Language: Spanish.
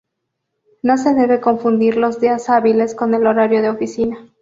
No se debe confundir los días hábiles con el horario de oficina.